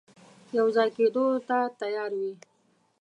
یو ځای کېدلو ته تیار وي.